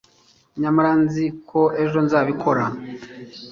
nyamara nzi ko ejo nzabikora